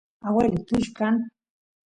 agueloy tullu kan